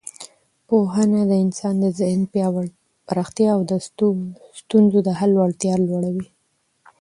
پوهنه د انسان د ذهن پراختیا او د ستونزو د حل وړتیا لوړوي.